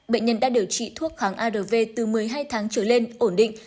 bệnh nhân đã điều trị thuốc kháng arv từ một mươi hai tháng trở lên ổn định